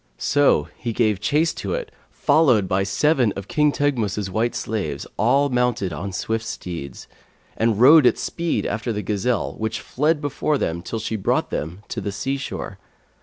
So he gave chase to it, followed by seven of King Teghmus's white slaves all mounted on swift steeds, and rode at speed after the gazelle, which fled before them till she brought them to the sea shore.